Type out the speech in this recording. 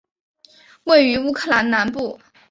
位于乌克兰南部。